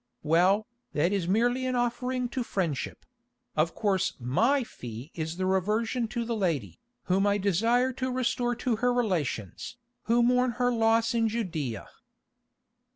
Well, that is merely an offering to friendship; of course my fee is the reversion to the lady, whom I desire to restore to her relations, who mourn her loss in Judæa."